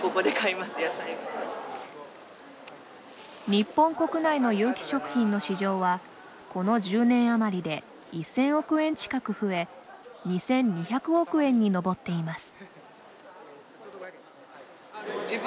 日本国内の有機食品の市場はこの１０年あまりで１０００億円近く増え２２００億円に上っています。